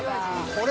これ！